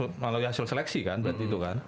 melalui hasil seleksi kan berarti itu kan